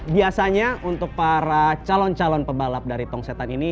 biasanya untuk para calon calon pebalap dari tong setan ini